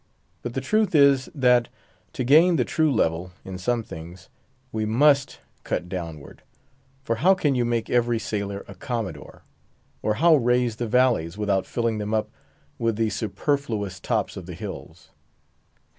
But the truth is, that, to gain the true level, in some things, we must cut downward; for how can you make every sailor a commodore? or how raise the valleys, without filling them up with the superfluous tops of the hills?